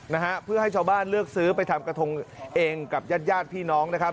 นะฮะเพื่อให้ชาวบ้านเลือกซื้อไปทำกระทงเองกับญาติญาติพี่น้องนะครับ